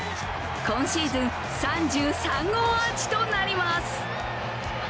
今シーズン３３号アーチとなります。